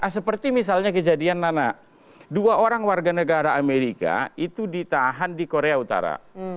seperti misalnya kejadian nana dua orang warga negara amerika itu ditahan di korea utara